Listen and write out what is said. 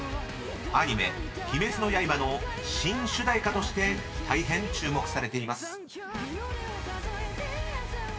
［アニメ『鬼滅の刃』の新主題歌として大変注目されています］